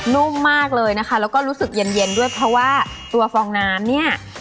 นุ่มมากเลยนะคะแล้วก็รู้สึกเย็นเย็นด้วยเพราะว่าตัวฟองน้ำเนี่ย